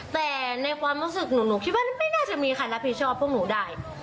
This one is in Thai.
แต่ในความรู้สึกหนูหนูคิดว่าไม่น่าจะมีใครรับผิดชอบพวกหนูได้